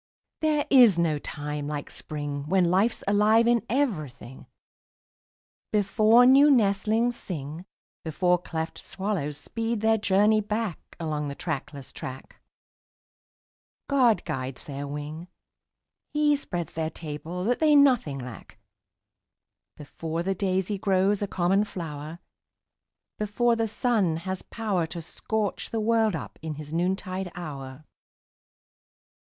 There is no time like Spring, When life's alive in everything, Before new nestlings sing, Before cleft swallows speed their journey back Along the trackless track, God guides their wing, He spreads their table that they nothing lack, Before the daisy grows a common flower, Before the sun has power To scorch the world up in his noontide hour.